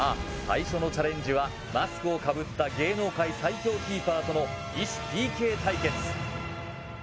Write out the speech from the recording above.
最初のチャレンジはマスクをかぶった芸能界最強キーパーとの異種ＰＫ対決